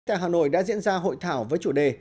tại hà nội đã diễn ra hội thảo với chủ đề